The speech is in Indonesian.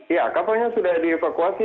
ya kapalnya sudah dievakuasi